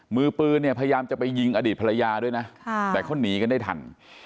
มือปืนเนี่ยพยายามจะไปยิงอดีตภรรยาด้วยนะแต่เขาหนีกันได้ทัน